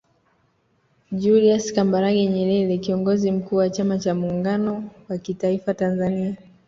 Julius Kambarage Nyerere Kiongozi Mkuu wa chama cha Muungano wa kitaifa Tanzania